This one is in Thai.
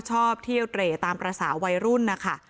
ชอบเที่ยวเเตลตามประสาวงค์